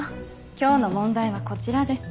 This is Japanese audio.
今日の問題はこちらです。